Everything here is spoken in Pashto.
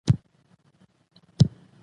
ـ له يوه لاسه ټک نخيژي.